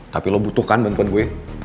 tapi lo butuhkan bantuan gue